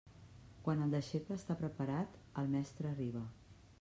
Quan el deixeble està preparat, el mestre arriba.